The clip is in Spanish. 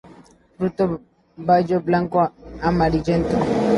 Fruto baya blanco-amarillento.